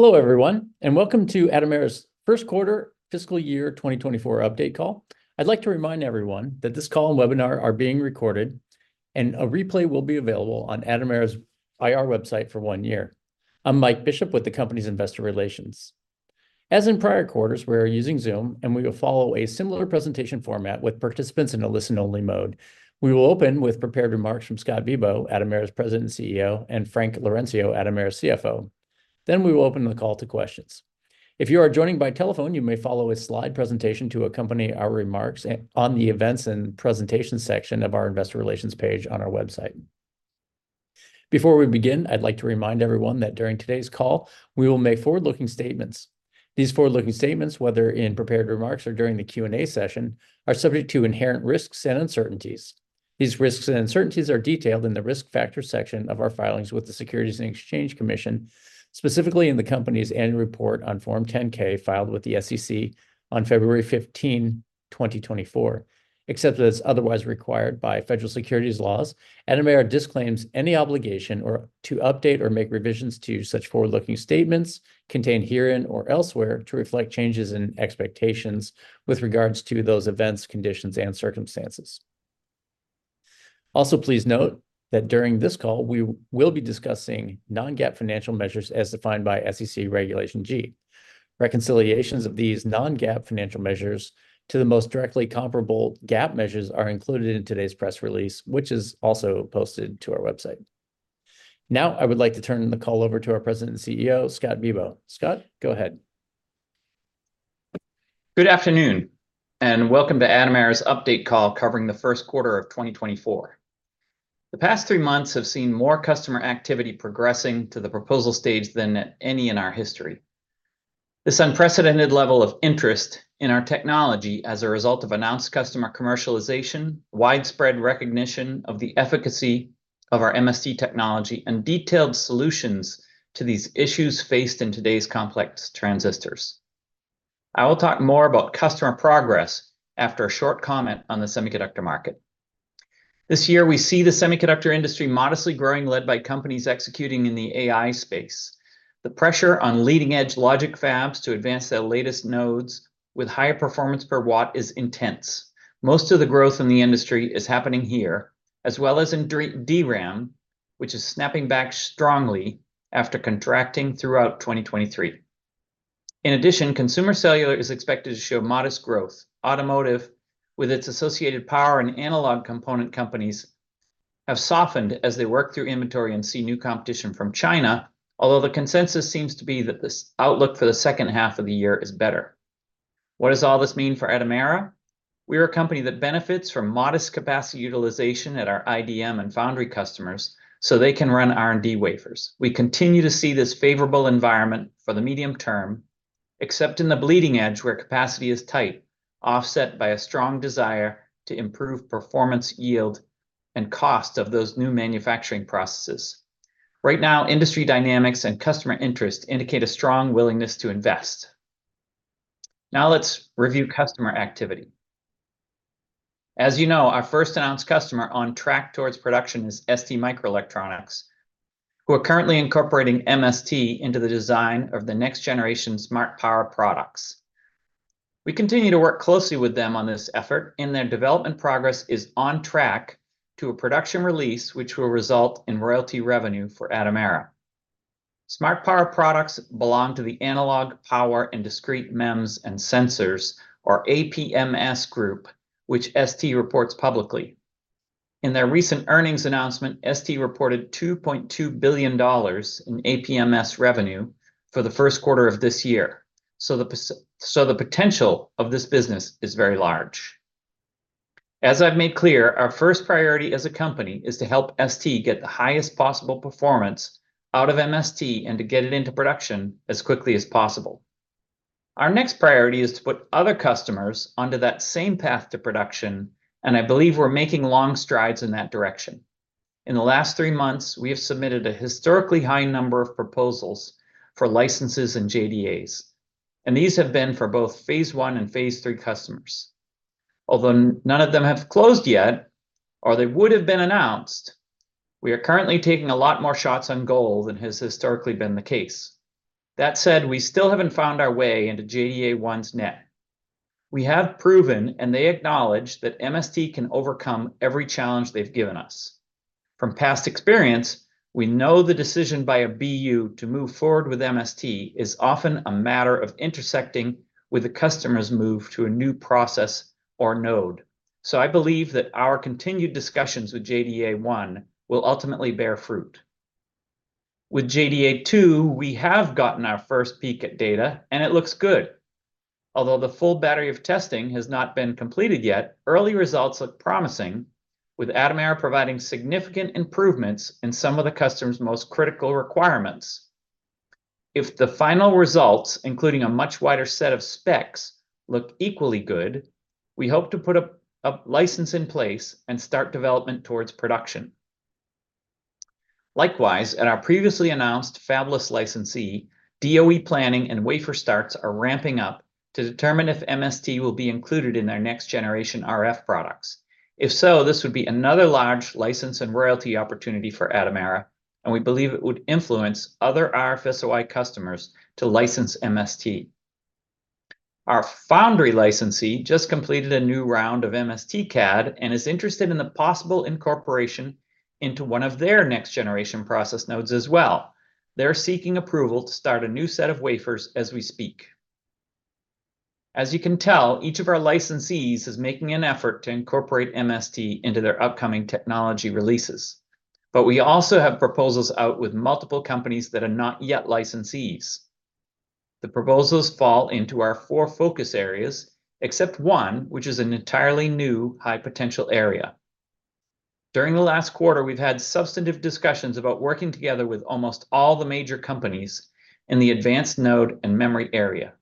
Hello everyone, and welcome to Atomera's 1Q fiscal year 2024 update call. I'd like to remind everyone that this call and webinar are being recorded, and a replay will be available on Atomera's IR website for one year. I'm Mike Bishop with the company's investor relations. As in prior quarters, we are using Zoom, and we will follow a similar presentation format with participants in a listen-only mode. We will open with prepared remarks from Scott Bibaud, Atomera's President and CEO, and Frank Laurencio, Atomera's CFO. Then we will open the call to questions. If you are joining by telephone, you may follow a slide presentation to accompany our remarks on the Events and Presentations section of our investor relations page on our website. Before we begin, I'd like to remind everyone that during today's call, we will make forward-looking statements. These forward-looking statements, whether in prepared remarks or during the Q&A session, are subject to inherent risks and uncertainties. These risks and uncertainties are detailed in the Risk Factors section of our filings with the Securities and Exchange Commission, specifically in the company's Annual Report on Form 10-K filed with the SEC on February 15, 2024. Except as otherwise required by federal securities laws, Atomera disclaims any obligation to update or make revisions to such forward-looking statements contained herein or elsewhere to reflect changes in expectations with regards to those events, conditions, and circumstances. Also, please note that during this call, we will be discussing non-GAAP financial measures as defined by SEC Regulation G. Reconciliations of these non-GAAP financial measures to the most directly comparable GAAP measures are included in today's press release, which is also posted to our website. Now I would like to turn the call over to our President and CEO, Scott Bibaud. Scott, go ahead. Good afternoon and welcome to Atomera's update call covering the 1Q of 2024. The past three months have seen more customer activity progressing to the proposal stage than at any in our history. This unprecedented level of interest in our technology as a result of announced customer commercialization, widespread recognition of the efficacy of our MST technology, and detailed solutions to these issues faced in today's complex transistors. I will talk more about customer progress after a short comment on the semiconductor market. This year, we see the semiconductor industry modestly growing, led by companies executing in the AI space. The pressure on leading-edge logic fabs to advance their latest nodes with higher performance per watt is intense. Most of the growth in the industry is happening here, as well as in DRAM, which is snapping back strongly after contracting throughout 2023. In addition, consumer cellular is expected to show modest growth. Automotive, with its associated power and analog component companies, have softened as they work through inventory and see new competition from China, although the consensus seems to be that the outlook for the second half of the year is better. What does all this mean for Atomera? We are a company that benefits from modest capacity utilization at our IDM and foundry customers so they can run R&D wafers. We continue to see this favorable environment for the medium term, except in the bleeding edge where capacity is tight, offset by a strong desire to improve performance, yield, and cost of those new manufacturing processes. Right now, industry dynamics and customer interest indicate a strong willingness to invest. Now let's review customer activity. As you know, our first announced customer on track towards production is STMicroelectronics, who are currently incorporating MST into the design of the next generation Smart Power products. We continue to work closely with them on this effort, and their development progress is on track to a production release which will result in royalty revenue for Atomera. Smart Power products belong to the Analog Power and Discrete MEMS and Sensors, or APMS Group, which ST reports publicly. In their recent earnings announcement, ST reported $2.2 billion in APMS revenue for the 1Q of this year, so the potential of this business is very large. As I've made clear, our first priority as a company is to help ST get the highest possible performance out of MST and to get it into production as quickly as possible. Our next priority is to put other customers onto that same path to production, and I believe we're making long strides in that direction. In the last three months, we have submitted a historically high number of proposals for licenses and JDAs, and these have been for both Phase One and Phase Three customers. Although none of them have closed yet, or they would have been announced, we are currently taking a lot more shots on goal than has historically been the case. That said, we still haven't found our way into JDA1's net. We have proven, and they acknowledge, that MST can overcome every challenge they've given us. From past experience, we know the decision by a BU to move forward with MST is often a matter of intersecting with a customer's move to a new process or node, so I believe that our continued discussions with JDA1 will ultimately bear fruit. With JDA 2.0, we have gotten our first peek at data, and it looks good. Although the full battery of testing has not been completed yet, early results look promising, with Atomera providing significant improvements in some of the customer's most critical requirements. If the final results, including a much wider set of specs, look equally good, we hope to put a license in place and start development towards production. Likewise, at our previously announced Fabless licensee, DOE planning and wafer starts are ramping up to determine if MST will be included in their next generation RF products. If so, this would be another large license and royalty opportunity for Atomera, and we believe it would influence other RF-SOI customers to license MST. Our foundry licensee just completed a new round of MSTcad and is interested in the possible incorporation into one of their next generation process nodes as well. They're seeking approval to start a new set of wafers as we speak. As you can tell, each of our licensees is making an effort to incorporate MST into their upcoming technology releases, but we also have proposals out with multiple companies that are not yet licensees. The proposals fall into our four focus areas, except one, which is an entirely new high-potential area. During the last quarter, we've had substantive discussions about working together with almost all the major companies in the advanced node and memory area.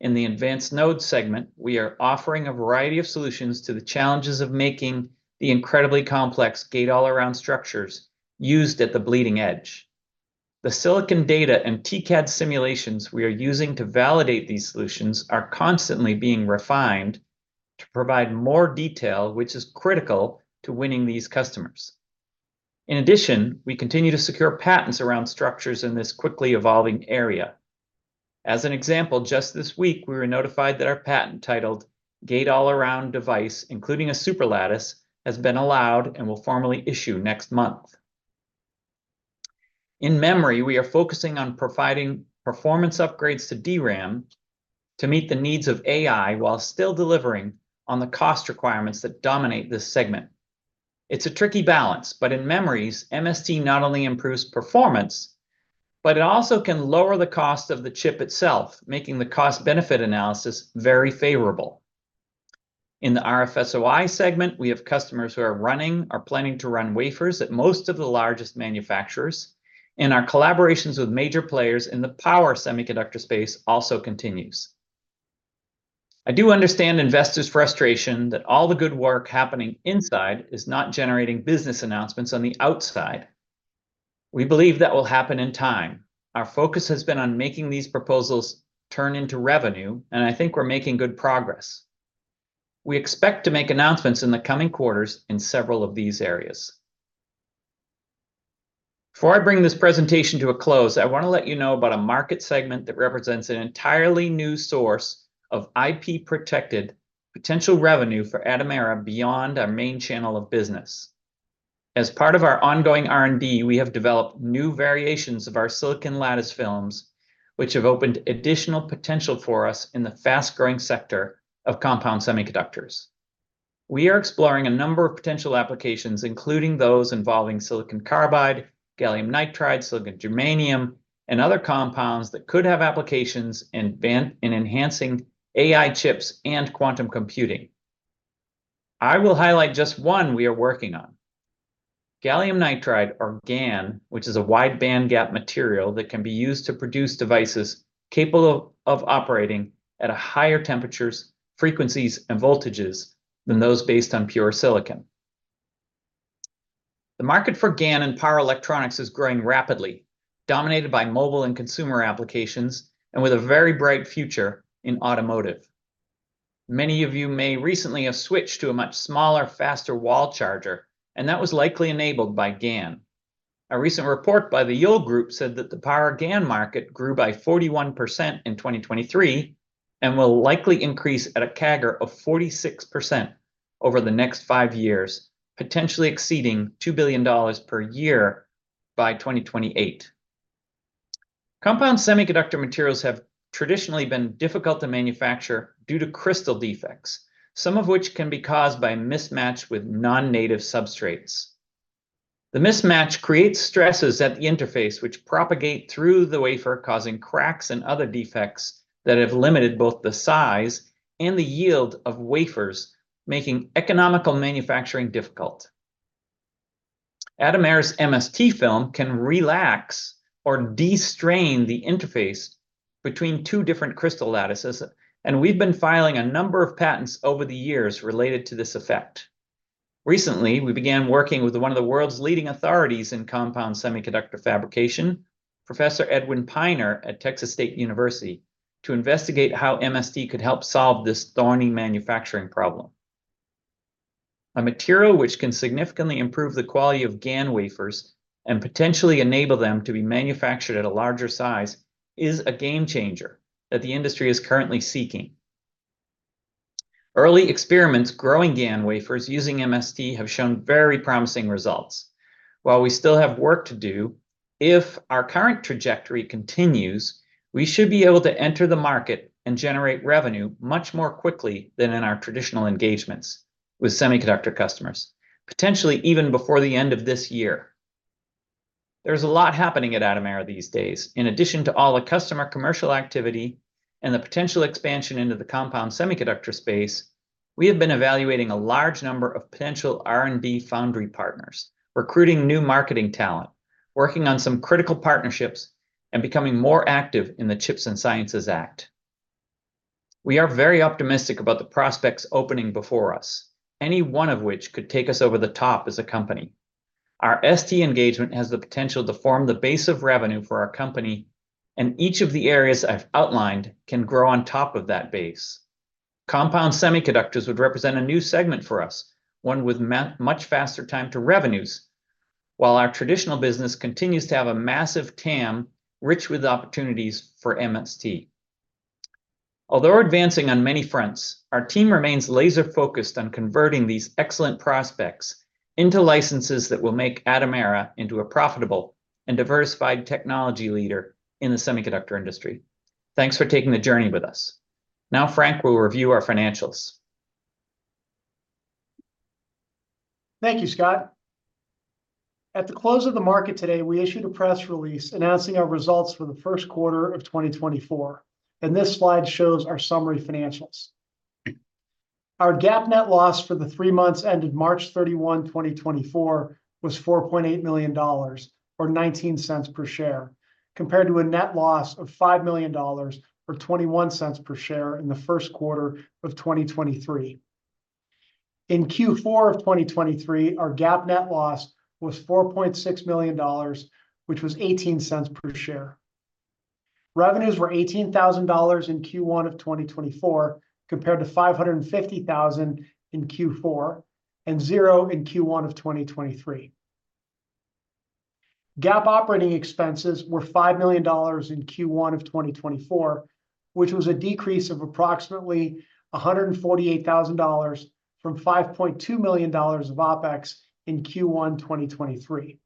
In the advanced node segment, we are offering a variety of solutions to the challenges of making the incredibly complex gate-all-around structures used at the bleeding edge. The silicon data and TCAD simulations we are using to validate these solutions are constantly being refined to provide more detail, which is critical to winning these customers. In addition, we continue to secure patents around structures in this quickly evolving area. As an example, just this week, we were notified that our patent titled "Gate-All-Around Device, Including a Superlattice," has been allowed and will formally issue next month. In memory, we are focusing on providing performance upgrades to DRAM to meet the needs of AI while still delivering on the cost requirements that dominate this segment. It's a tricky balance, but in memories, MST not only improves performance, but it also can lower the cost of the chip itself, making the cost-benefit analysis very favorable. In the RF-SOI segment, we have customers who are running or planning to run wafers at most of the largest manufacturers, and our collaborations with major players in the power semiconductor space also continues. I do understand investors' frustration that all the good work happening inside is not generating business announcements on the outside. We believe that will happen in time. Our focus has been on making these proposals turn into revenue, and I think we're making good progress. We expect to make announcements in the coming quarters in several of these areas. Before I bring this presentation to a close, I want to let you know about a market segment that represents an entirely new source of IP-protected potential revenue for Atomera beyond our main channel of business. As part of our ongoing R&D, we have developed new variations of our silicon lattice films, which have opened additional potential for us in the fast-growing sector of compound semiconductors. We are exploring a number of potential applications, including those involving silicon carbide, gallium nitride, silicon germanium, and other compounds that could have applications in enhancing AI chips and quantum computing. I will highlight just one we are working on. Gallium nitride, or GaN, which is a wide-band gap material that can be used to produce devices capable of operating at higher temperatures, frequencies, and voltages than those based on pure silicon. The market for GaN and power electronics is growing rapidly, dominated by mobile and consumer applications, and with a very bright future in automotive. Many of you may recently have switched to a much smaller, faster wall charger, and that was likely enabled by GaN. A recent report by the Yole Group said that the power GaN market grew by 41% in 2023 and will likely increase at a CAGR of 46% over the next five years, potentially exceeding $2 billion per year by 2028. Compound semiconductor materials have traditionally been difficult to manufacture due to crystal defects, some of which can be caused by a mismatch with non-native substrates. The mismatch creates stresses at the interface which propagate through the wafer, causing cracks and other defects that have limited both the size and the yield of wafers, making economical manufacturing difficult. Atomera's MST film can relax or destrain the interface between two different crystal lattices, and we've been filing a number of patents over the years related to this effect. Recently, we began working with one of the world's leading authorities in compound semiconductor fabrication, Professor Edwin Piner at Texas State University, to investigate how MST could help solve this thorny manufacturing problem. A material which can significantly improve the quality of GaN wafers and potentially enable them to be manufactured at a larger size is a game changer that the industry is currently seeking. Early experiments growing GaN wafers using MST have shown very promising results. While we still have work to do, if our current trajectory continues, we should be able to enter the market and generate revenue much more quickly than in our traditional engagements with semiconductor customers, potentially even before the end of this year. There's a lot happening at Atomera these days. In addition to all the customer commercial activity and the potential expansion into the compound semiconductor space, we have been evaluating a large number of potential R&D foundry partners, recruiting new marketing talent, working on some critical partnerships, and becoming more active in the CHIPS and Science Act. We are very optimistic about the prospects opening before us, any one of which could take us over the top as a company. Our ST engagement has the potential to form the base of revenue for our company, and each of the areas I've outlined can grow on top of that base. Compound semiconductors would represent a new segment for us, one with much faster time to revenues, while our traditional business continues to have a massive TAM rich with opportunities for MST. Although advancing on many fronts, our team remains laser-focused on converting these excellent prospects into licenses that will make Atomera into a profitable and diversified technology leader in the semiconductor industry. Thanks for taking the journey with us. Now, Frank, we'll review our financials. Thank you, Scott. At the close of the market today, we issued a press release announcing our results for the 1Q of 2024, and this slide shows our summary financials. Our GAAP net loss for the three months ended March 31, 2024, was $4.8 million, or $0.19 per share, compared to a net loss of $5 million, or $0.21 per share, in the 1Q of 2023. In Q4 of 2023, our GAAP net loss was $4.6 million, which was $0.18 per share. Revenues were $18,000 in Q1 of 2024, compared to $550,000 in Q4 and $0 in Q1 of 2023. GAAP operating expenses were $5 million in Q1 of 2024, which was a decrease of approximately $148,000 from $5.2 million of OPEX in Q1 2023.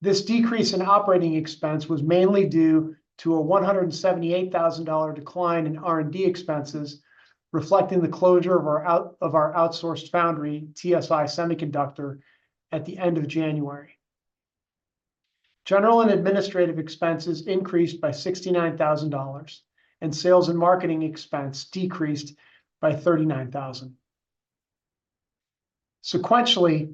This decrease in operating expense was mainly due to a $178,000 decline in R&D expenses, reflecting the closure of our outsourced foundry, TSI Semiconductors, at the end of January. General and administrative expenses increased by $69,000, and sales and marketing expense decreased by $39,000. Sequentially,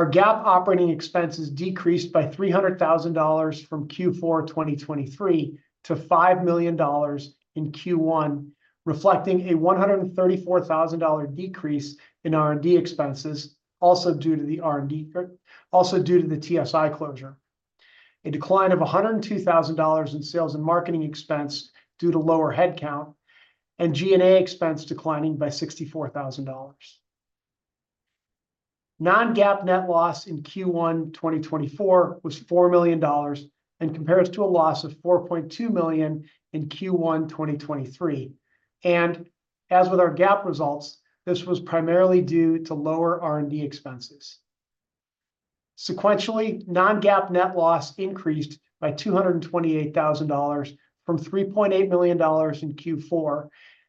our GAAP operating expenses decreased by $300,000 from Q4 2023 to $5 million in Q1, reflecting a $134,000 decrease in R&D expenses, also due to the TSI closure, a decline of $102,000 in sales and marketing expense due to lower headcount, and G&A expense declining by $64,000. Non-GAAP net loss in Q1 2024 was $4 million and compares to a loss of $4.2 million in Q1 2023, and as with our GAAP results, this was primarily due to lower R&D expenses. Sequentially, non-GAAP net loss increased by $228,000 from $3.8 million in Q4,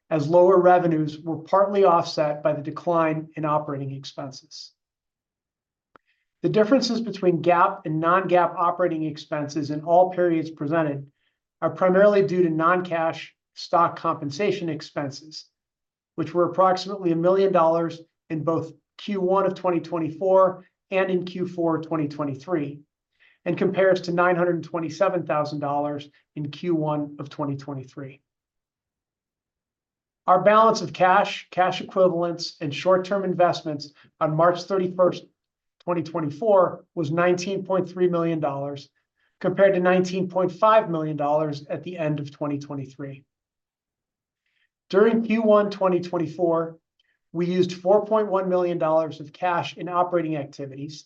as lower revenues were partly offset by the decline in operating expenses. The differences between GAAP and non-GAAP operating expenses in all periods presented are primarily due to non-cash stock compensation expenses, which were approximately $1 million in both Q1 of 2024 and in Q4 2023, and compares to $927,000 in Q1 of 2023. Our balance of cash, cash equivalents, and short-term investments on March 31, 2024, was $19.3 million, compared to $19.5 million at the end of 2023. During Q1 2024, we used $4.1 million of cash in operating activities,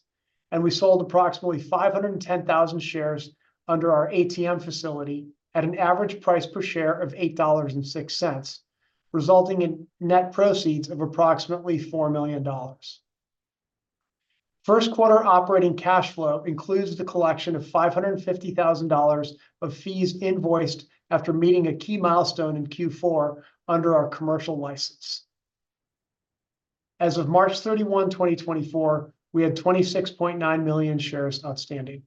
and we sold approximately 510,000 shares under our ATM facility at an average price per share of $8.06, resulting in net proceeds of approximately $4 million. 1Q operating cash flow includes the collection of $550,000 of fees invoiced after meeting a key milestone in Q4 under our commercial license. As of March 31, 2024, we had 26.9 million shares outstanding.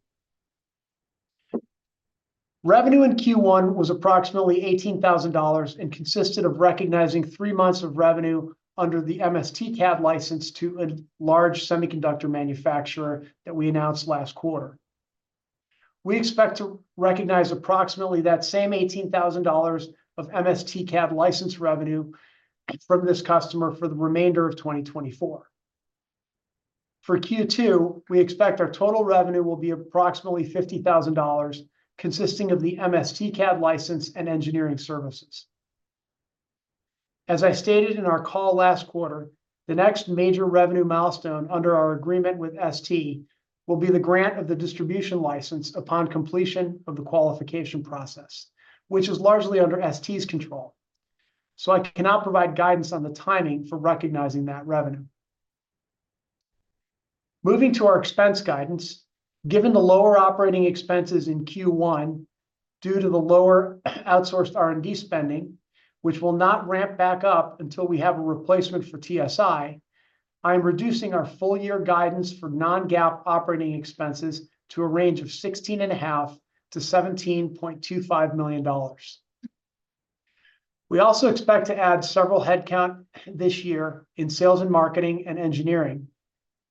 Revenue in Q1 was approximately $18,000 and consisted of recognizing three months of revenue under the MSTcad license to a large semiconductor manufacturer that we announced last quarter. We expect to recognize approximately that same $18,000 of MSTcad license revenue from this customer for the remainder of 2024. For Q2, we expect our total revenue will be approximately $50,000, consisting of the MSTcad license and engineering services. As I stated in our call last quarter, the next major revenue milestone under our agreement with ST will be the grant of the distribution license upon completion of the qualification process, which is largely under ST's control, so I cannot provide guidance on the timing for recognizing that revenue. Moving to our expense guidance, given the lower operating expenses in Q1 due to the lower outsourced R&D spending, which will not ramp back up until we have a replacement for TSI, I am reducing our full-year guidance for non-GAAP operating expenses to a range of $16.5 million-$17.25 million. We also expect to add several headcount this year in sales and marketing and engineering,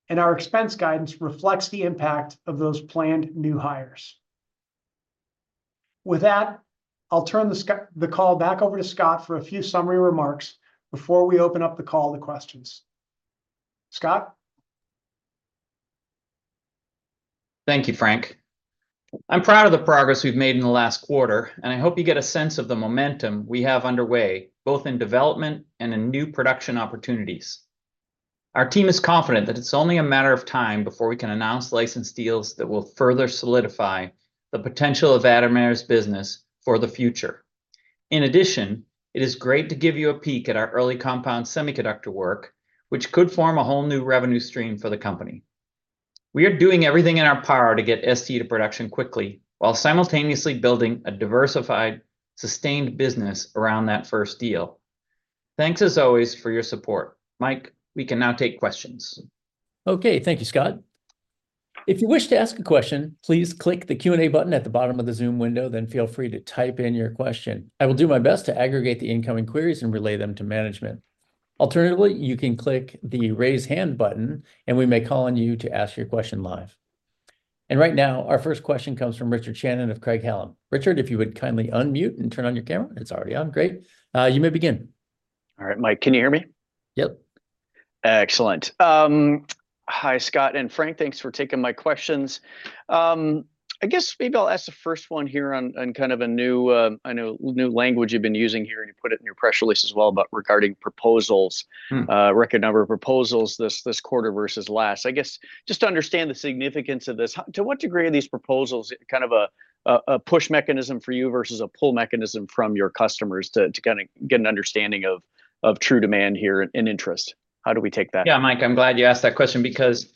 and our expense guidance reflects the impact of those planned new hires. With that, I'll turn the call back over to Scott for a few summary remarks before we open up the call to questions. Scott? Thank you, Frank. I'm proud of the progress we've made in the last quarter, and I hope you get a sense of the momentum we have underway, both in development and in new production opportunities. Our team is confident that it's only a matter of time before we can announce license deals that will further solidify the potential of Atomera's business for the future. In addition, it is great to give you a peek at our early compound semiconductor work, which could form a whole new revenue stream for the company. We are doing everything in our power to get ST to production quickly while simultaneously building a diversified, sustained business around that first deal. Thanks, as always, for your support. Mike, we can now take questions. Okay. Thank you, Scott. If you wish to ask a question, please click the Q&A button at the bottom of the Zoom window, then feel free to type in your question. I will do my best to aggregate the incoming queries and relay them to management. Alternatively, you can click the raise hand button, and we may call on you to ask your question live. And right now, our first question comes from Richard Shannon of Craig-Hallum. Richard, if you would kindly unmute and turn on your camera. It's already on. Great. You may begin. All right, Mike. Can you hear me? Yep. Excellent. Hi, Scott and Frank. Thanks for taking my questions. I guess maybe I'll ask the first one here on kind of a new I know new language you've been using here, and you put it in your press release as well, but regarding proposals, record number of proposals this quarter versus last. I guess just to understand the significance of this, to what degree are these proposals kind of a push mechanism for you versus a pull mechanism from your customers to kind of get an understanding of true demand here and interest? How do we take that? Yeah, Mike, I'm glad you asked that question because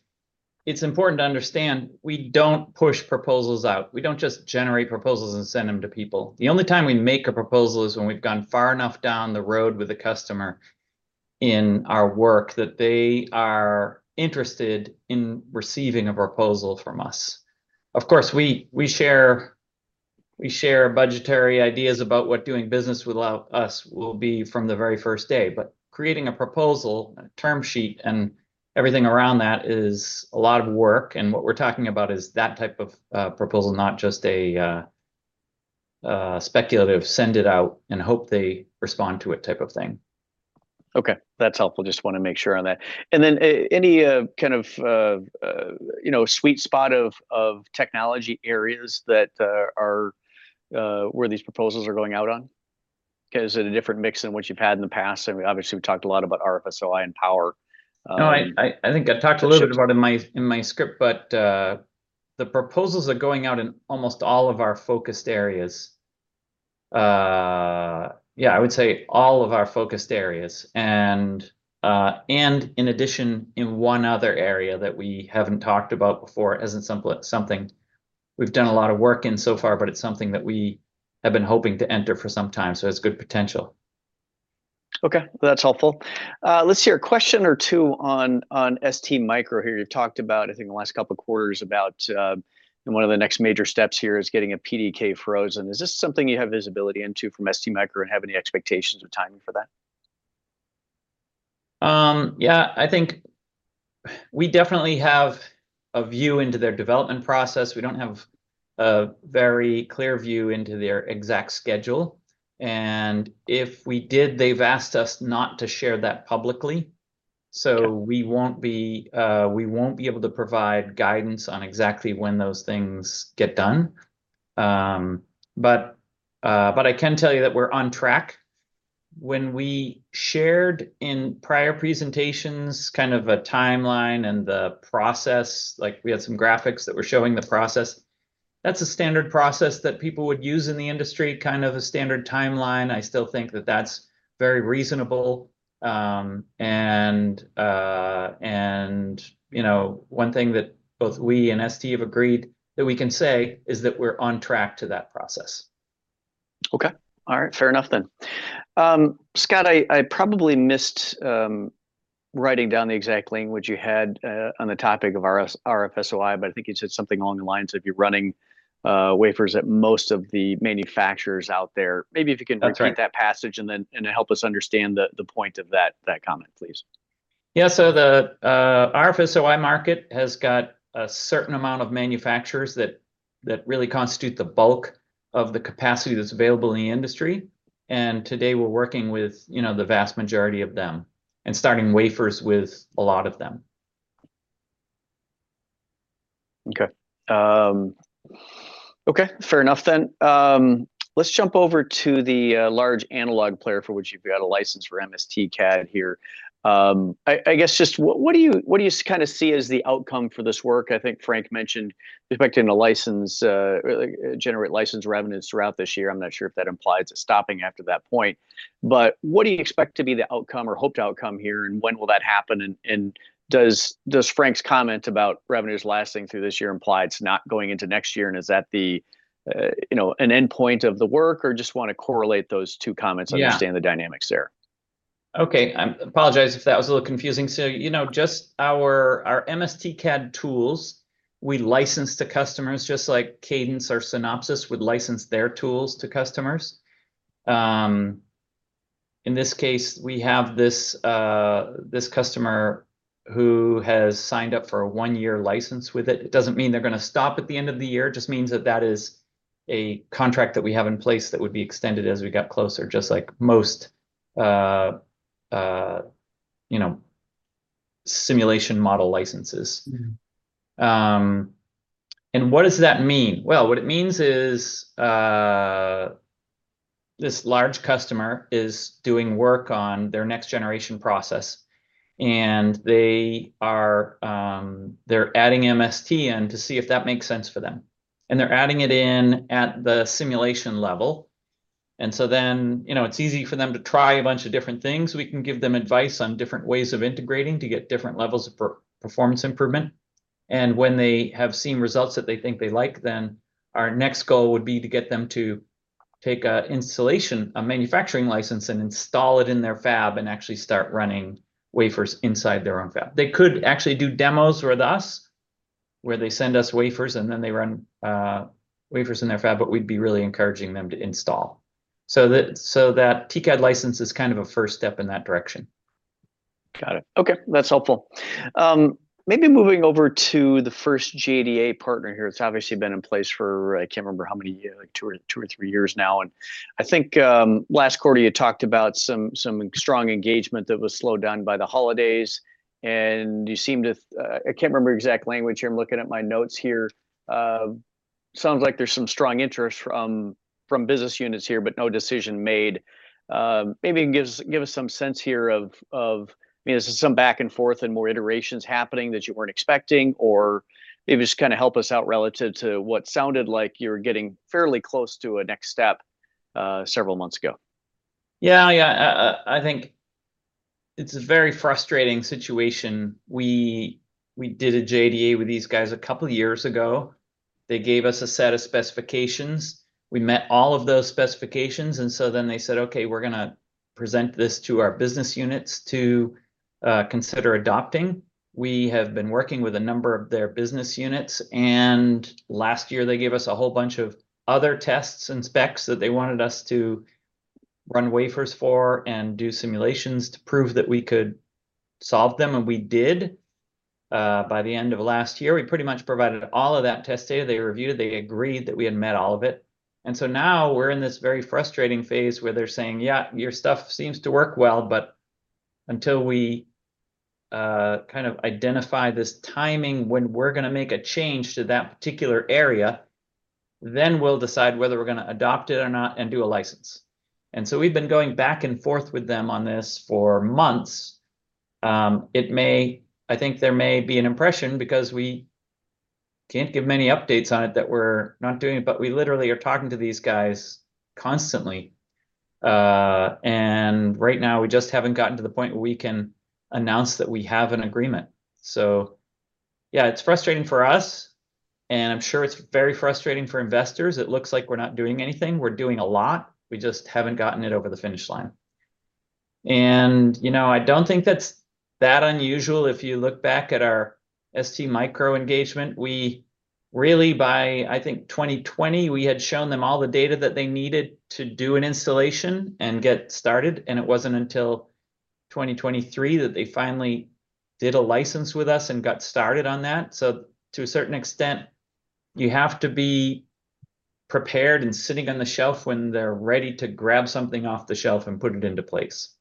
it's important to understand we don't push proposals out. We don't just generate proposals and send them to people. The only time we make a proposal is when we've gone far enough down the road with a customer in our work that they are interested in receiving a proposal from us. Of course, we share budgetary ideas about what doing business with us will be from the very first day. But creating a proposal, a term sheet, and everything around that is a lot of work. And what we're talking about is that type of proposal, not just a speculative, "Send it out and hope they respond to it," type of thing. Okay. That's helpful. Just want to make sure on that. And then any kind of sweet spot of technology areas where these proposals are going out on? Because it's a different mix than what you've had in the past. And obviously, we talked a lot about RF-SOI and Power. No, I think I talked a little bit about it in my script, but the proposals are going out in almost all of our focused areas. Yeah, I would say all of our focused areas. And in addition, in one other area that we haven't talked about before as something we've done a lot of work in so far, but it's something that we have been hoping to enter for some time, so it's good potential. Okay. That's helpful. Let's see. A question or two on STMicro here. You've talked about, I think, in the last couple of quarters about one of the next major steps here is getting a PDK frozen. Is this something you have visibility into from STMicro and have any expectations of timing for that? Yeah, I think we definitely have a view into their development process. We don't have a very clear view into their exact schedule. And if we did, they've asked us not to share that publicly. So we won't be able to provide guidance on exactly when those things get done. But I can tell you that we're on track. When we shared in prior presentations kind of a timeline and the process, we had some graphics that were showing the process. That's a standard process that people would use in the industry, kind of a standard timeline. I still think that that's very reasonable. And one thing that both we and ST have agreed that we can say is that we're on track to that process. Okay. All right. Fair enough then. Scott, I probably missed writing down the exact language you had on the topic of RF-SOI, but I think you said something along the lines of you're running wafers at most of the manufacturers out there. Maybe if you can repeat that passage and help us understand the point of that comment, please. Yeah. So the RF-SOI market has got a certain amount of manufacturers that really constitute the bulk of the capacity that's available in the industry. And today, we're working with the vast majority of them and starting wafers with a lot of them. Okay. Okay. Fair enough then. Let's jump over to the large analog player for which you've got a license for MSTcad here. I guess just what do you kind of see as the outcome for this work? I think Frank mentioned expecting to generate license revenues throughout this year. I'm not sure if that implies it's stopping after that point. But what do you expect to be the outcome or hoped outcome here, and when will that happen? And does Frank's comment about revenues lasting through this year imply it's not going into next year? And is that an endpoint of the work, or just want to correlate those two comments, understand the dynamics there? Okay. I apologize if that was a little confusing. So just our MSTcad tools, we license to customers just like Cadence or Synopsys would license their tools to customers. In this case, we have this customer who has signed up for a one-year license with it. It doesn't mean they're going to stop at the end of the year. It just means that that is a contract that we have in place that would be extended as we got closer, just like most simulation model licenses. And what does that mean? Well, what it means is this large customer is doing work on their next-generation process, and they're adding MST in to see if that makes sense for them. And they're adding it in at the simulation level. And so then it's easy for them to try a bunch of different things. We can give them advice on different ways of integrating to get different levels of performance improvement. When they have seen results that they think they like, then our next goal would be to get them to take a manufacturing license and install it in their fab and actually start running wafers inside their own fab. They could actually do demos with us where they send us wafers, and then they run wafers in their fab, but we'd be really encouraging them to install. So that TCAD license is kind of a first step in that direction. Got it. Okay. That's helpful. Maybe moving over to the first JDA partner here. It's obviously been in place for, I can't remember how many years, like two or three years now. And I think last quarter, you talked about some strong engagement that was slowed down by the holidays. And you seem to—I can't remember the exact language here. I'm looking at my notes here. Sounds like there's some strong interest from business units here, but no decision made. Maybe give us some sense here of, I mean, is there some back and forth and more iterations happening that you weren't expecting, or maybe just kind of help us out relative to what sounded like you're getting fairly close to a next step several months ago. Yeah. Yeah. I think it's a very frustrating situation. We did a JDA with these guys a couple of years ago. They gave us a set of specifications. We met all of those specifications. And so then they said, "Okay, we're going to present this to our business units to consider adopting." We have been working with a number of their business units. And last year, they gave us a whole bunch of other tests and specs that they wanted us to run wafers for and do simulations to prove that we could solve them. And we did. By the end of last year, we pretty much provided all of that test data. They reviewed it. They agreed that we had met all of it. So now we're in this very frustrating phase where they're saying, "Yeah, your stuff seems to work well, but until we kind of identify this timing when we're going to make a change to that particular area, then we'll decide whether we're going to adopt it or not and do a license." We've been going back and forth with them on this for months. I think there may be an impression because we can't give many updates on it that we're not doing it, but we literally are talking to these guys constantly. Right now, we just haven't gotten to the point where we can announce that we have an agreement. So yeah, it's frustrating for us. I'm sure it's very frustrating for investors. It looks like we're not doing anything. We're doing a lot. We just haven't gotten it over the finish line. I don't think that's that unusual. If you look back at our STMicro engagement, I think 2020, we had shown them all the data that they needed to do an installation and get started. It wasn't until 2023 that they finally did a license with us and got started on that. To a certain extent, you have to be prepared and sitting on the shelf when they're ready to grab something off the shelf and put it into place.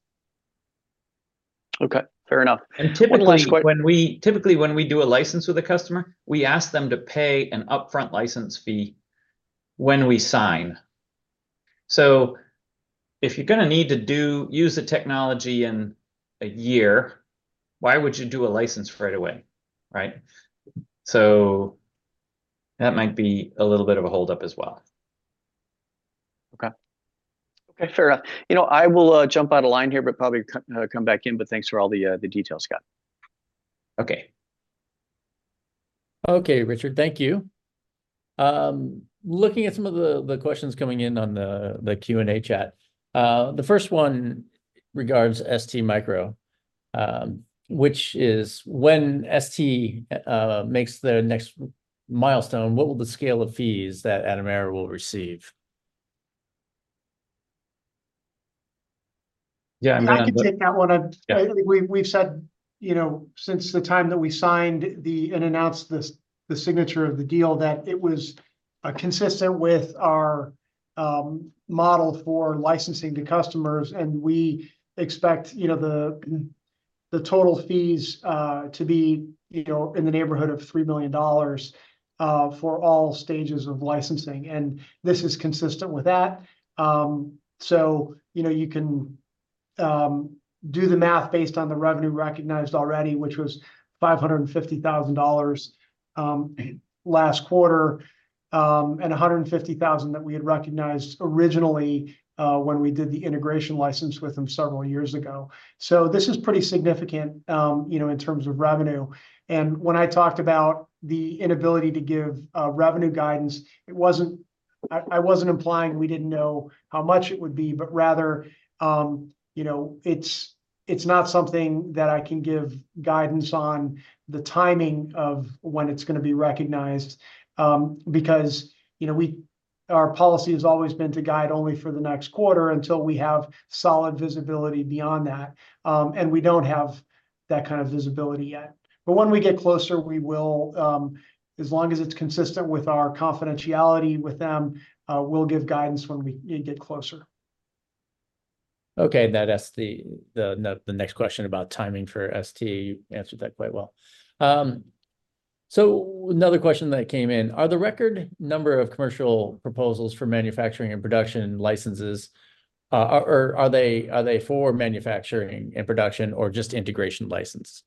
Okay. Fair enough. One question. Typically, when we do a license with a customer, we ask them to pay an upfront license fee when we sign. So if you're going to need to use the technology in a year, why would you do a license right away, right? So that might be a little bit of a holdup as well. Okay. Okay. Fair enough. I will jump out of line here but probably come back in. But thanks for all the details, Scott. Okay. Okay, Richard. Thank you. Looking at some of the questions coming in on the Q&A chat, the first one regards STMicro, which is when ST makes their next milestone, what will the scale of fees that Atomera will receive? Yeah. I mean. I can take that one. We've said since the time that we signed and announced the signature of the deal that it was consistent with our model for licensing to customers. And we expect the total fees to be in the neighborhood of $3 billion for all stages of licensing. And this is consistent with that. So you can do the math based on the revenue recognized already, which was $550,000 last quarter and $150,000 that we had recognized originally when we did the integration license with them several years ago. So this is pretty significant in terms of revenue. When I talked about the inability to give revenue guidance, I wasn't implying we didn't know how much it would be, but rather it's not something that I can give guidance on the timing of when it's going to be recognized because our policy has always been to guide only for the next quarter until we have solid visibility beyond that. We don't have that kind of visibility yet. When we get closer, as long as it's consistent with our confidentiality with them, we'll give guidance when we get closer. Okay. And that asked the next question about timing for ST. You answered that quite well. So another question that came in, are the record number of commercial proposals for manufacturing and production licenses, or are they for manufacturing and production or just integration license?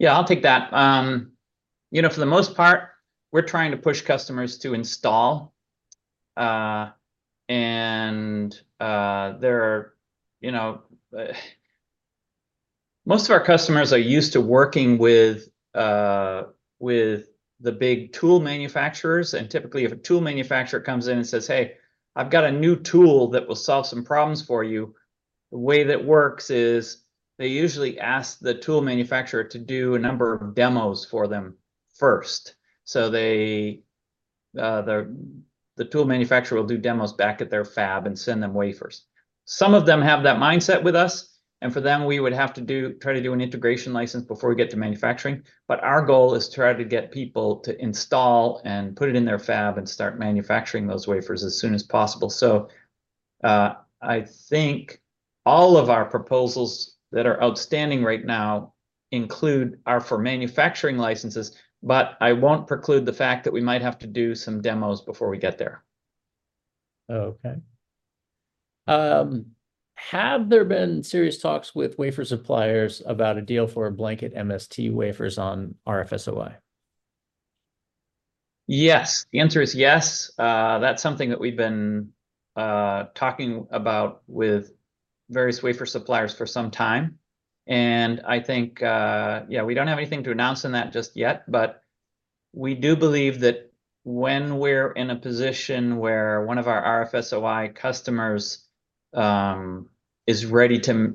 Yeah, I'll take that. For the most part, we're trying to push customers to install. Most of our customers are used to working with the big tool manufacturers. Typically, if a tool manufacturer comes in and says, "Hey, I've got a new tool that will solve some problems for you," the way that works is they usually ask the tool manufacturer to do a number of demos for them first. So the tool manufacturer will do demos back at their fab and send them wafers. Some of them have that mindset with us. For them, we would have to try to do an integration license before we get to manufacturing. But our goal is to try to get people to install and put it in their fab and start manufacturing those wafers as soon as possible. I think all of our proposals that are outstanding right now include our manufacturing licenses, but I won't preclude the fact that we might have to do some demos before we get there. Okay. Have there been serious talks with wafer suppliers about a deal for blanket MST wafers on RF-SOI? Yes. The answer is yes. That's something that we've been talking about with various wafer suppliers for some time. I think, yeah, we don't have anything to announce in that just yet. But we do believe that when we're in a position where one of our RF-SOI customers is ready to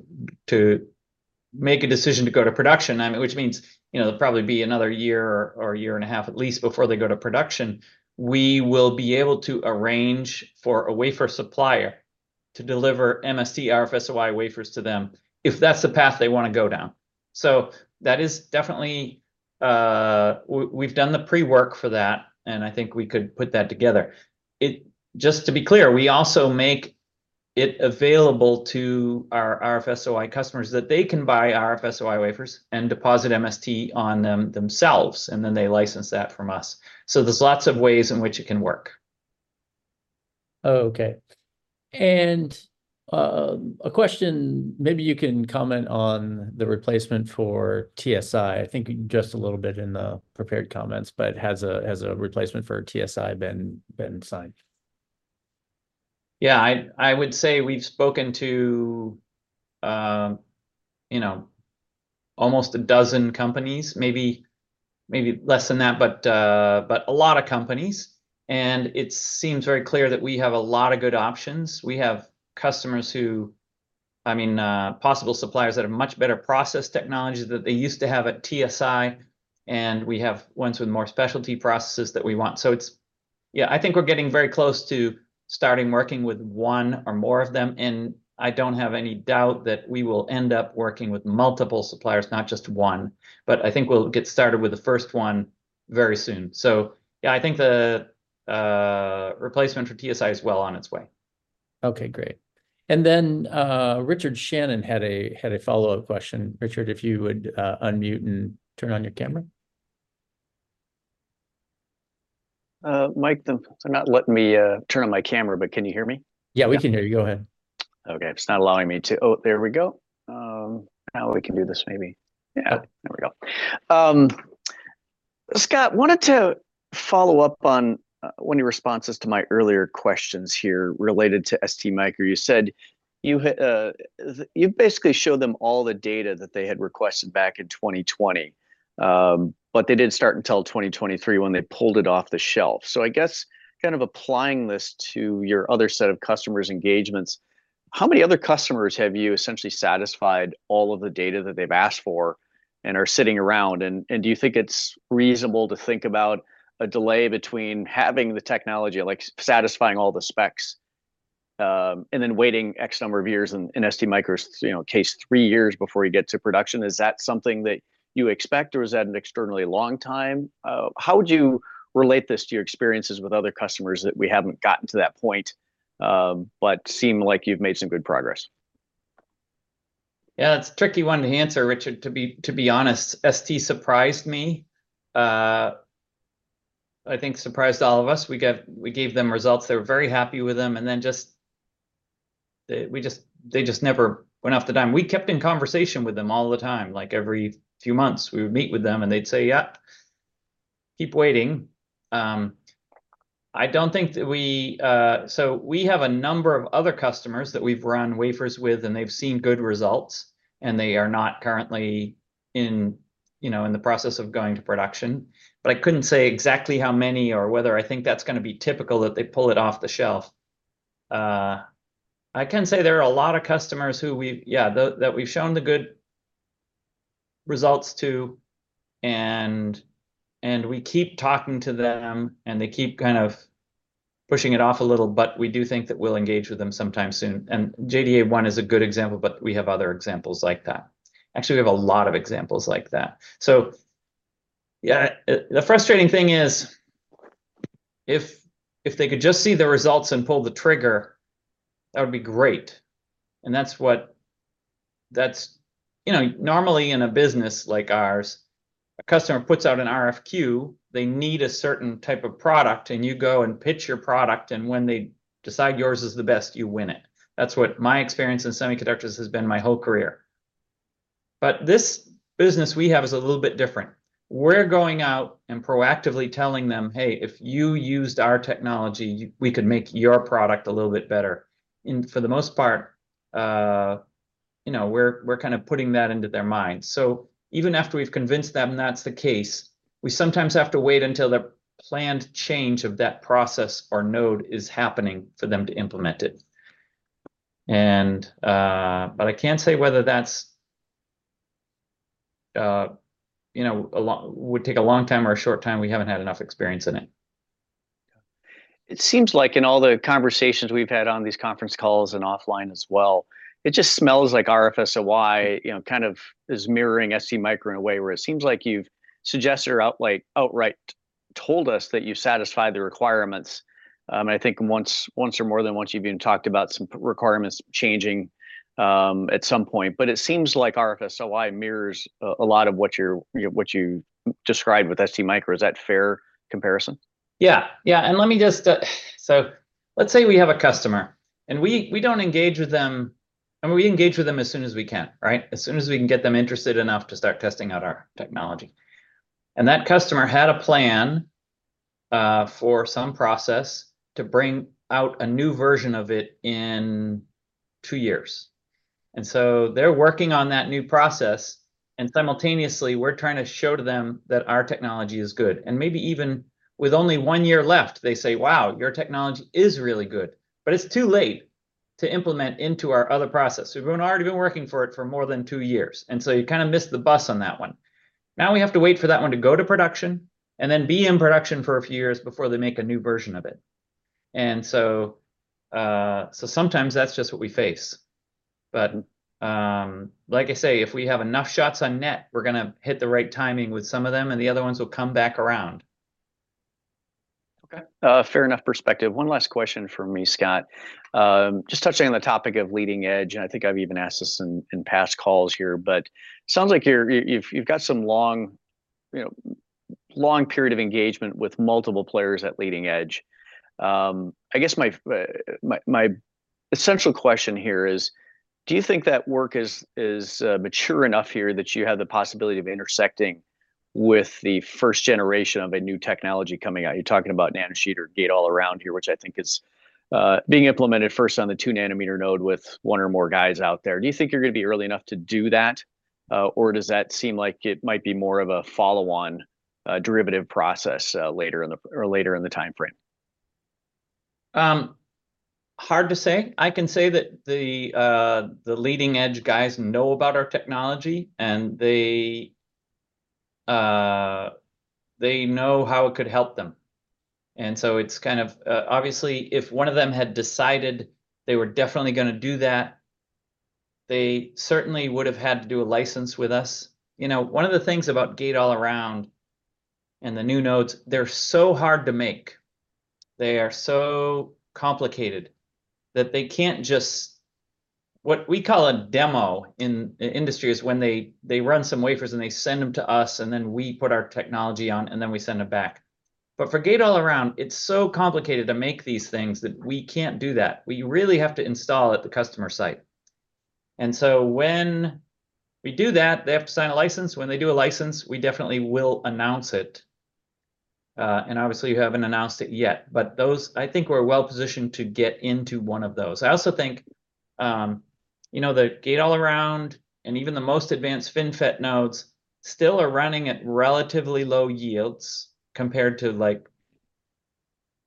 make a decision to go to production, which means there'll probably be another year or a year and a half at least before they go to production, we will be able to arrange for a wafer supplier to deliver MST RF-SOI wafers to them if that's the path they want to go down. So we've done the pre-work for that, and I think we could put that together. Just to be clear, we also make it available to our RF-SOI customers that they can buy RF-SOI wafers and deposit MST on them themselves, and then they license that from us. So there's lots of ways in which it can work. Okay. A question, maybe you can comment on the replacement for TSI. I think just a little bit in the prepared comments, but has a replacement for TSI been signed? Yeah. I would say we've spoken to almost a dozen companies, maybe less than that, but a lot of companies. And it seems very clear that we have a lot of good options. We have customers who, I mean, possible suppliers that have much better process technologies that they used to have at TSI. And we have ones with more specialty processes that we want. So yeah, I think we're getting very close to starting working with one or more of them. And I don't have any doubt that we will end up working with multiple suppliers, not just one. But I think we'll get started with the first one very soon. So yeah, I think the replacement for TSI is well on its way. Okay. Great. And then Richard Shannon had a follow-up question. Richard, if you would unmute and turn on your camera. Mike, they're not letting me turn on my camera, but can you hear me? Yeah, we can hear you. Go ahead. Okay. It's not allowing me to—oh, there we go. Now we can do this maybe. Yeah. There we go. Scott, wanted to follow up on one of your responses to my earlier questions here related to STMicro. You basically showed them all the data that they had requested back in 2020, but they didn't start until 2023 when they pulled it off the shelf. So I guess kind of applying this to your other set of customers' engagements, how many other customers have you essentially satisfied all of the data that they've asked for and are sitting around? And do you think it's reasonable to think about a delay between having the technology, satisfying all the specs, and then waiting X number of years in STMicro case three years before you get to production? Is that something that you expect, or is that an unusually long time? How would you relate this to your experiences with other customers that we haven't gotten to that point but seem like you've made some good progress? Yeah, that's a tricky one to answer, Richard. To be honest, ST surprised me. I think surprised all of us. We gave them results. They were very happy with them. And then they just never went off the dime. We kept in conversation with them all the time. Every few months, we would meet with them, and they'd say, "Yep, keep waiting." I don't think that. So we have a number of other customers that we've run wafers with, and they've seen good results. And they are not currently in the process of going to production. But I couldn't say exactly how many or whether I think that's going to be typical that they pull it off the shelf. I can say there are a lot of customers who we've, that we've shown the good results to. We keep talking to them, and they keep kind of pushing it off a little. We do think that we'll engage with them sometime soon. JDA1 is a good example, but we have other examples like that. Actually, we have a lot of examples like that. Yeah, the frustrating thing is if they could just see the results and pull the trigger, that would be great. That's what normally in a business like ours, a customer puts out an RFQ. They need a certain type of product, and you go and pitch your product. When they decide yours is the best, you win it. That's what my experience in semiconductors has been my whole career. This business we have is a little bit different. We're going out and proactively telling them, "Hey, if you used our technology, we could make your product a little bit better." And for the most part, we're kind of putting that into their minds. So even after we've convinced them that's the case, we sometimes have to wait until the planned change of that process or node is happening for them to implement it. But I can't say whether that would take a long time or a short time. We haven't had enough experience in it. It seems like in all the conversations we've had on these conference calls and offline as well, it just smells like RF-SOI kind of is mirroring STMicro in a way where it seems like you've suggested or outright told us that you satisfy the requirements. And I think once or more than once, you've even talked about some requirements changing at some point. But it seems like RF-SOI mirrors a lot of what you described with STMicro. Is that a fair comparison? Yeah. Yeah. Let me just say, let's say we have a customer. We engage with them as soon as we can, right? As soon as we can get them interested enough to start testing out our technology. That customer had a plan for some process to bring out a new version of it in two years. So they're working on that new process. Simultaneously, we're trying to show them that our technology is good. Maybe even with only one year left, they say, "Wow, your technology is really good." But it's too late to implement into our other process. We've already been working on it for more than two years. So you kind of missed the bus on that one. Now we have to wait for that one to go to production and then be in production for a few years before they make a new version of it. So sometimes that's just what we face. But like I say, if we have enough shots on net, we're going to hit the right timing with some of them, and the other ones will come back around. Okay. Fair enough perspective. One last question for me, Scott. Just touching on the topic of leading edge, and I think I've even asked this in past calls here, but it sounds like you've got some long period of engagement with multiple players at leading edge. I guess my essential question here is, do you think that work is mature enough here that you have the possibility of intersecting with the first generation of a new technology coming out? You're talking about nanosheet or gate-all-around here, which I think is being implemented first on the 2 nanometer node with one or more guys out there. Do you think you're going to be early enough to do that, or does that seem like it might be more of a follow-on derivative process later in the timeframe? Hard to say. I can say that the leading edge guys know about our technology, and they know how it could help them. And so it's kind of obviously, if one of them had decided they were definitely going to do that, they certainly would have had to do a license with us. One of the things about gate all around and the new nodes, they're so hard to make. They are so complicated that they can't just what we call a demo in the industry is when they run some wafers and they send them to us, and then we put our technology on, and then we send it back. But for gate all around, it's so complicated to make these things that we can't do that. We really have to install it at the customer site. And so when we do that, they have to sign a license. When they do a license, we definitely will announce it. Obviously, you haven't announced it yet. I think we're well positioned to get into one of those. I also think the gate-all-around and even the most advanced FinFET nodes still are running at relatively low yields compared to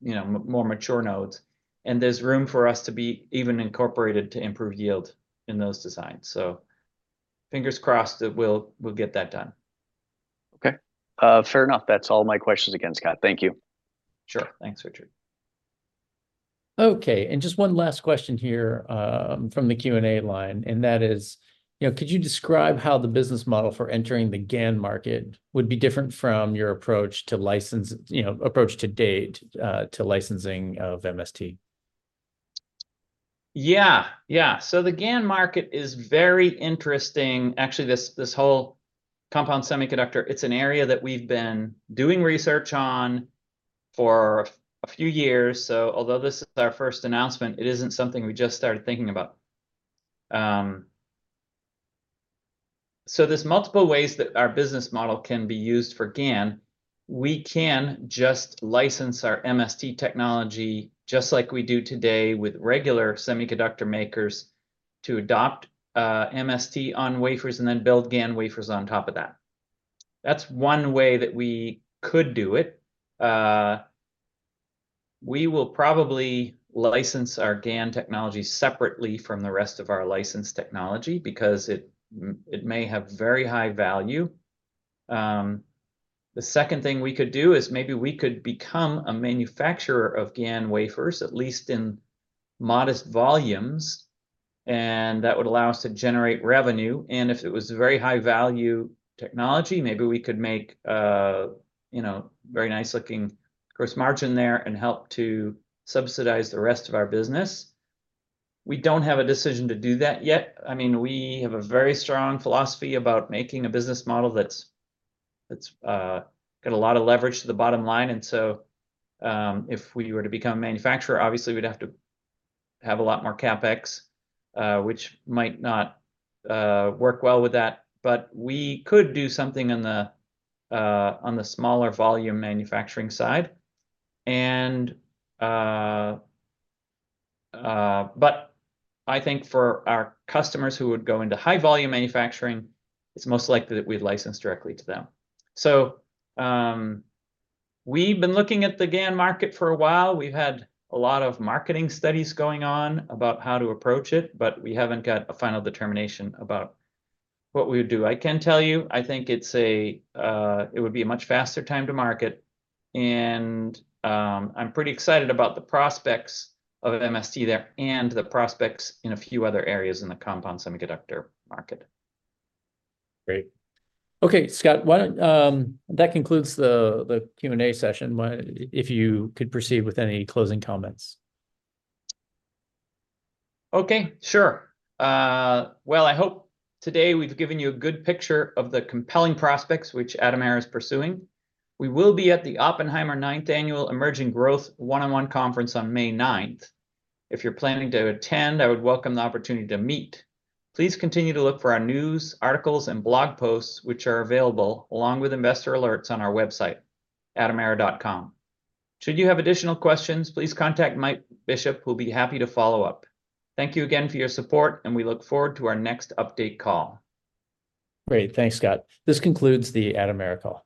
more mature nodes. There's room for us to be even incorporated to improve yield in those designs. Fingers crossed that we'll get that done. Okay. Fair enough. That's all my questions again, Scott. Thank you. Sure. Thanks, Richard. Okay. Just one last question here from the Q&A line. That is, could you describe how the business model for entering the GaN market would be different from your approach to date to licensing of MST? Yeah. Yeah. So the GaN market is very interesting. Actually, this whole compound semiconductor, it's an area that we've been doing research on for a few years. So although this is our first announcement, it isn't something we just started thinking about. So there's multiple ways that our business model can be used for GaN. We can just license our MST technology just like we do today with regular semiconductor makers to adopt MST on wafers and then build GaN wafers on top of that. That's one way that we could do it. We will probably license our GaN technology separately from the rest of our licensed technology because it may have very high value. The second thing we could do is maybe we could become a manufacturer of GaN wafers, at least in modest volumes. And that would allow us to generate revenue. And if it was very high-value technology, maybe we could make a very nice-looking gross margin there and help to subsidize the rest of our business. We don't have a decision to do that yet. I mean, we have a very strong philosophy about making a business model that's got a lot of leverage to the bottom line. And so if we were to become a manufacturer, obviously, we'd have to have a lot more CapEx, which might not work well with that. But we could do something on the smaller volume manufacturing side. But I think for our customers who would go into high-volume manufacturing, it's most likely that we'd license directly to them. So we've been looking at the GaN market for a while. We've had a lot of marketing studies going on about how to approach it, but we haven't got a final determination about what we would do. I can tell you, I think it would be a much faster time to market. And I'm pretty excited about the prospects of MST there and the prospects in a few other areas in the compound semiconductor market. Great. Okay, Scott, that concludes the Q&A session. If you could proceed with any closing comments. Okay. Sure. Well, I hope today we've given you a good picture of the compelling prospects which Atomera is pursuing. We will be at the Oppenheimer 9th Annual Emerging Growth One-on-One Conference on May 9th. If you're planning to attend, I would welcome the opportunity to meet. Please continue to look for our news, articles, and blog posts which are available along with investor alerts on our website, atomera.com. Should you have additional questions, please contact Mike Bishop. We'll be happy to follow up. Thank you again for your support, and we look forward to our next update call. Great. Thanks, Scott. This concludes the Atomera call.